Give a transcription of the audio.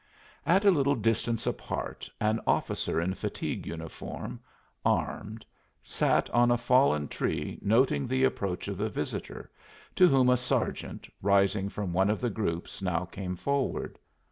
At a little distance apart an officer in fatigue uniform, armed, sat on a fallen tree noting the approach of the visitor, to whom a sergeant, rising from one of the groups, now came forward.